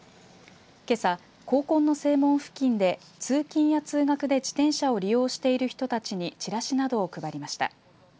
けさ、高校の正門付近で通勤や通学で自動車を利用している人たちにチラシなどを配りました。